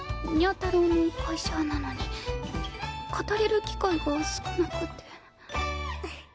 太郎の会社なのに語れる機会が少なくて。